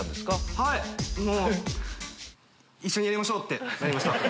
はいもう一緒にやりましょうってなりました。